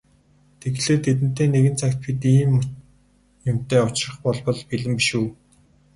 Тэгэхлээр тэдэнтэй нэгэн цагт бид ийм юмтай учрах болбол бэлэн биш үү?